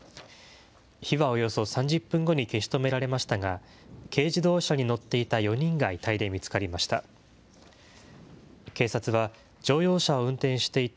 火はおよそ３０分後に消し止められましたが、軽自動車に乗っていた４人が遺体で見つかりました。